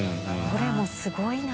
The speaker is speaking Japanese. どれもすごいな。